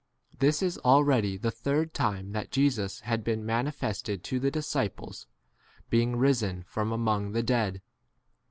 This is al ready the third time that Jesus had been manifested to the x dis ciples, being risen from among 15 [the] dead.